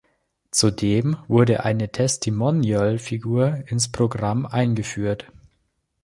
Zudem wurde eine Testimonial-Figur ins Programm eingeführt.